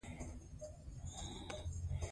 غشى ، کاروان ، کليوال ، کشمالی ، كنيشكا ، کروړ